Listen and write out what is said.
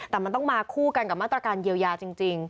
แต่มันต้องมาคู่กันกับมาตรการเยียวยาจริง